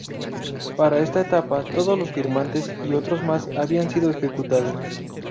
Para esa etapa, todos los firmantes y otros más habían sido ejecutados.